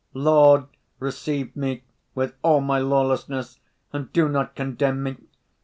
"Lord, receive me, with all my lawlessness, and do not condemn me.